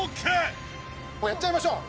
もうやっちゃいましょう。